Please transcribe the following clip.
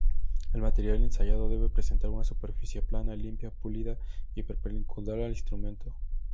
El material ensayado debe presentar una superficie plana, limpia, pulida y perpendicular al instrumento.